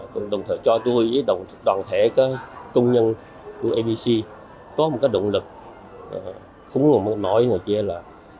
cùng đồng thời cho tôi với đoàn thể công nhân của abc có một động lực khủng hoảng nói là